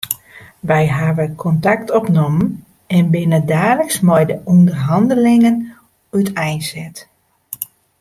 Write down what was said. Wy hawwe kontakt opnommen en binne daliks mei de ûnderhannelingen úteinset.